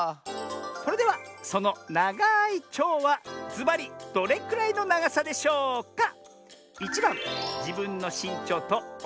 それではそのながいちょうはずばりどれくらいのながさでしょうか？